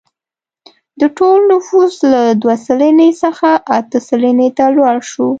د ټول نفوس له دوه سلنې څخه اته سلنې ته لوړ شو.